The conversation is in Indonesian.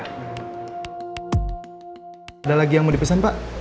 ada lagi yang mau dipesan pak